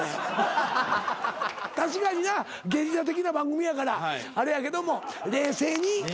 確かになゲリラ的な番組やからあれやけども冷静に。